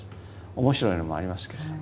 面白いのもありますけれども。